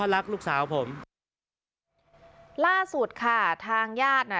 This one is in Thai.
ล่าสุดค่ะทางญาติน่ะ